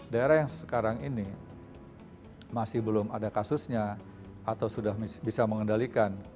daerah yang sekarang ini masih belum ada kasusnya atau sudah bisa mengendalikan